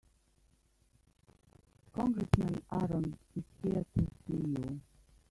Congressman Aaron is here to see you.